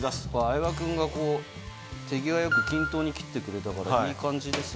相葉君が手際良く均等に切ってくれたからいい感じです